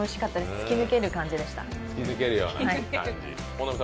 突き抜けるような感じでした。